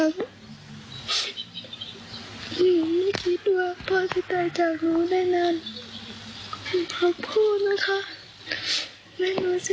นุกก็จะรักพ่อกับนุก